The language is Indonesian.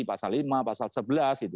pasal lima pasal sebelas gitu